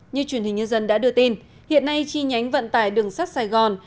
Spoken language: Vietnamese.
như truyền hình nhân dân đã đưa tin hiện nay chi nhánh vận tải đường sắt sài gòn